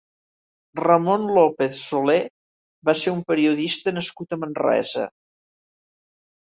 Ramón López Soler va ser un periodista nascut a Manresa.